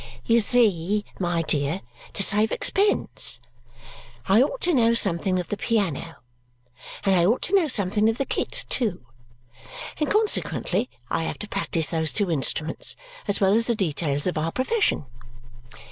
"You see, my dear, to save expense I ought to know something of the piano, and I ought to know something of the kit too, and consequently I have to practise those two instruments as well as the details of our profession.